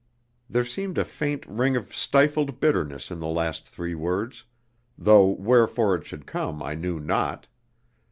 There seemed a faint ring of stifled bitterness in the last three words, though wherefore it should come I knew not.